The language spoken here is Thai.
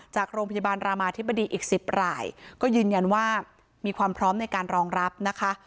จากโรงพยาบาลรามาธิบดีอีก๑๐รายก็ยืนยันว่ามีความพร้อมในการรองรับนะคะ